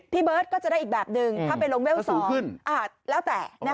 พี่เบิร์ตก็จะได้อีกแบบหนึ่งถ้าไปลงเลเวล๒